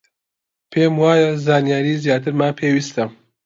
پێم وایە زانیاریی زیاترمان پێویستە.